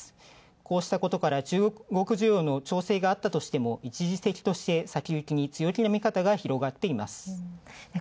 こうしたことから中国需要の調整があったとしても一時的先行きに強気な見方が広がっています。